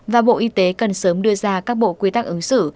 và bộ y tế cần sớm đưa ra các bộ quy tắc ứng xử